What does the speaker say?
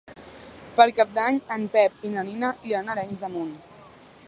Per Cap d'Any en Pep i na Nina iran a Arenys de Munt.